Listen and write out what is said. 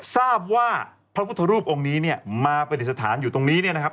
ทราบว่าพระพุทธรูปองค์นี้มาปฏิสถานอยู่ตรงนี้นะครับ